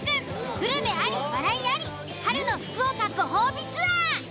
グルメあり、笑いあり春の福岡ご褒美ツアー。